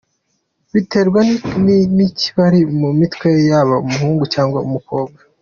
’Biterwa n’ikibari mu mitwe yaba umuhungu cyangwa umukobwa .